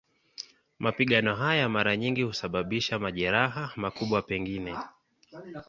Mapigano hayo mara nyingi husababisha majeraha, makubwa pengine.